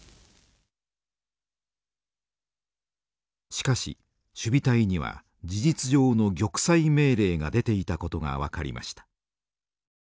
しかし守備隊には事実上の玉砕命令が出ていたことが分かりました。